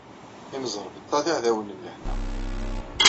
Imẓeṛbeṭṭa d iɛdawen n lahna.